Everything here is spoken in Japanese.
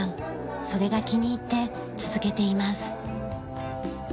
それが気に入って続けています。